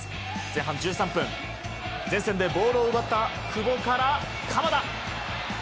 前半１３分前線でボールを奪った久保から鎌田。